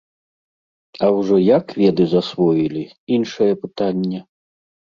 А ўжо як веды засвоілі, іншае пытанне.